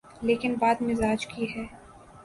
لیکن بات مزاج کی ہے۔